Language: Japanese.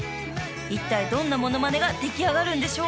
［いったいどんなモノマネが出来上がるんでしょう？］